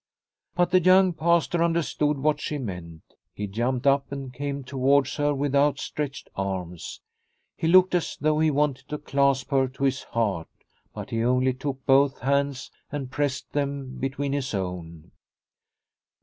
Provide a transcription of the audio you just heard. But the young Pastor understood what she meant. He jumped up and came towards her with outstretched arms. He looked as though he wanted to clasp her to his heart, but he only took both hands and pressed them between his own.